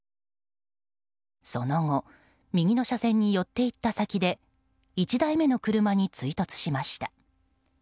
その後右の車線に寄って行った先で１台目の車に追突しました。